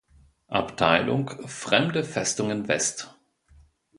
Abteilung „Fremde Festungen West“.